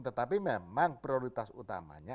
tetapi memang prioritas utamanya